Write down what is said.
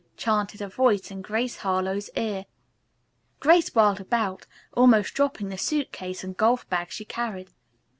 '" chanted a voice in Grace Harlowe's ear. Grace whirled about, almost dropping the suit case and golf bag she carried.